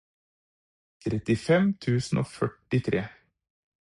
trettifem tusen og førtitre